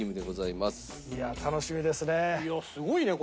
いや楽しみですね。